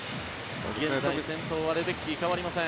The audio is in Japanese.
現在先頭はレデッキー変わりません。